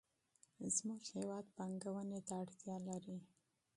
زموږ هېواد پانګونې ته اړتیا لري.